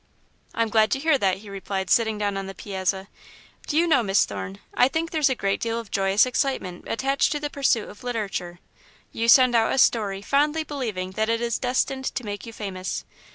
"I'm glad to hear that," he replied, sitting down on the piazza. "Do you know, Miss Thorne, I think there's a great deal of joyous excitement attached to the pursuit of literature. You send out a story, fondly believing that it is destined to make you famous.